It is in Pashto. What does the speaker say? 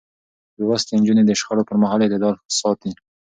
لوستې نجونې د شخړو پر مهال اعتدال ساتي.